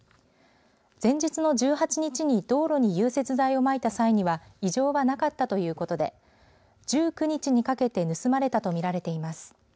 前日の１８日に道路に融雪剤をまいた際には異常はなかったということで１９日にかけて盗まれたと見られています。